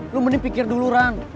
lu mending pikir dulu ran